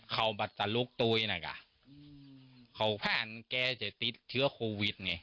เขาบัตรลกตัวอีกหน่ะกะอืมเขาผ่านแก่จะติดเชื้อโควิดไง